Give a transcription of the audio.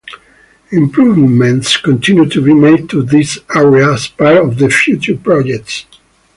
Improvements continue to be made to this area as part of future projects.